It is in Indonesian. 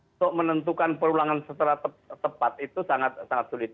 untuk menentukan perulangan setelah tepat itu sangat sangat sulit